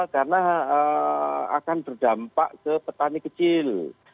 karena akan berdampak ke petani kecil